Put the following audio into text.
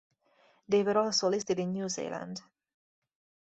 They were also listed in New Zealand.